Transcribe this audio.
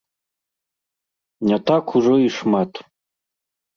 Не так ужо і шмат.